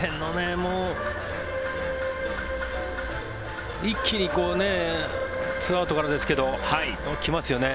もう一気に２アウトからですけど来ますよね。